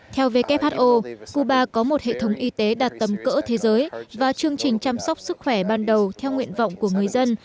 theo who cuba có một hệ thống y tế đạt tầm cỡ thế giới và chương trình chăm sóc sức khỏe ban đầu theo nguyện vọng của người dân